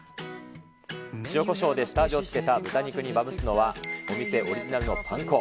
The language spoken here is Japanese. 塩こしょうで下味をつけた豚肉にまぶすのは、お店オリジナルのパン粉。